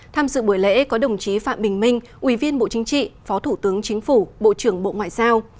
tham dự buổi lễ có đồng chí phạm bình minh ubnd phó thủ tướng chính phủ bộ trưởng bộ ngoại giao